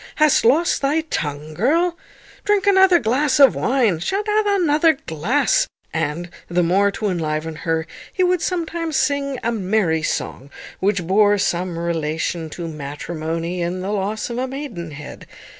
Hast lost thy tongue, girl? Drink another glass of wine; sha't drink another glass." And, the more to enliven her, he would sometimes sing a merry song, which bore some relation to matrimony and the loss of a maidenhead.